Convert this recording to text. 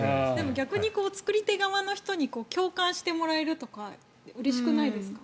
逆に作り手側の人に共感してもらえるってうれしくないですか？